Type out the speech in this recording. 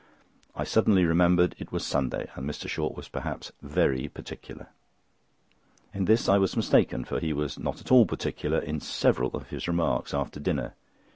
I suddenly remembered it was Sunday, and Mr. Short was perhaps very particular. In this I was mistaken, for he was not at all particular in several of his remarks after dinner.